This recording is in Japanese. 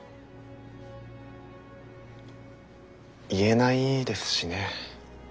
言えないですしね。